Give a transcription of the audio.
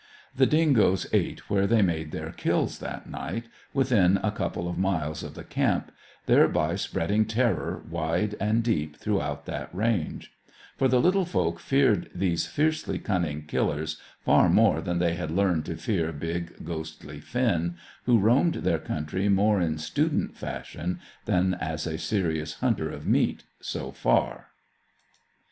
The dingoes ate where they made their kills that night, within a couple of miles of the camp, thereby spreading terror wide and deep throughout that range; for the little folk feared these fiercely cunning killers far more than they had learned to fear big ghostly Finn, who roamed their country more in student fashion than as a serious hunter of meat, so far.